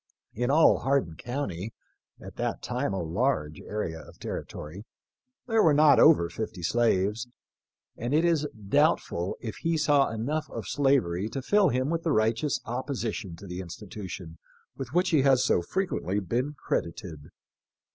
In all Hardin county — at that time a large area of territory — there were not over fifty slaves; and it is doubtful if he saw enough of slavery to fill him with the righteous opposition to the institution with which he has so frequently been credited.